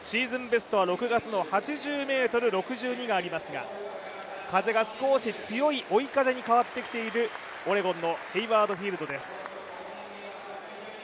ベスト６月の８０ｍ６２がありますが、風が少し強い追い風に変わってきているオレゴンのヘイワード・フィールドです。